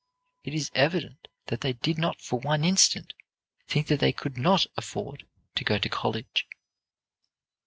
It is evident that they did not for one instant think that they could not afford to go to college.